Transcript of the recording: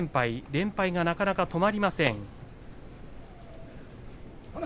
連敗がなかなか止まりません。